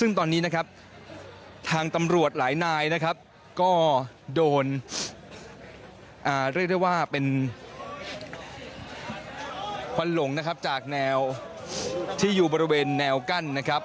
ซึ่งตอนนี้นะครับทางตำรวจหลายนายนะครับก็โดนเรียกได้ว่าเป็นควันหลงนะครับจากแนวที่อยู่บริเวณแนวกั้นนะครับ